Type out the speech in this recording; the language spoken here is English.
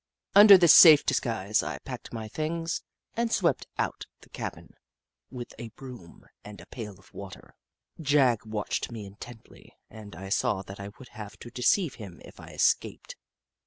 Under this safe disguise, I packed my things and swept out the cabin with a broom and a pail of water. Jagg watched me intently, and I saw that I would have to deceive him if I escaped.